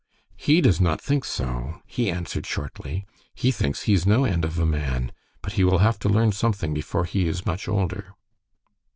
"He does not think so," he answered, shortly. "He thinks he is no end of a man, but he will have to learn something before he is much older."